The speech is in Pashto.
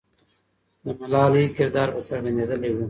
د ملالۍ کردار به څرګندېدلی وو.